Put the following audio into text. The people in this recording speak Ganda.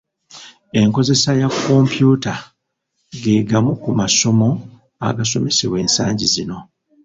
Enkozesa ya kompyuta ge gamu ku masomo agasomesebwa ensangi zino.